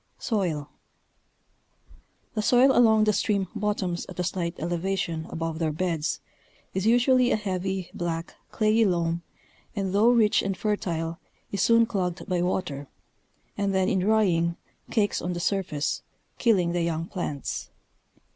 Soin. The soil along the stream bottoms at a slight elevation above their beds is usually a heavy, black, clayey loam, and though rich and fertile is soon clogged by water, and then in drying, cakes on the surface, killing the young plants.